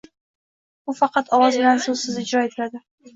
U faqat ovoz bilan sozsiz ijro etiladi.